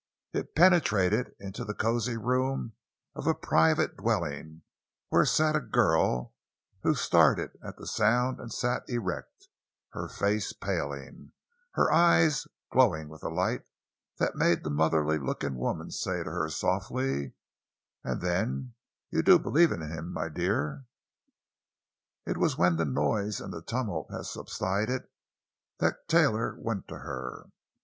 It penetrated into the cozy room of a private dwelling, where sat a girl who started at the sound and sat erect, her face paling, her eyes, glowing with a light that made the motherly looking woman say to her, softly: "Ah, then you do believe in him, my dear!" It was when the noise and the tumult had subsided that Taylor went to her.